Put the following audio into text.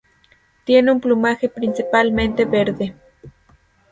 Tiene un plumaje principalmente verde.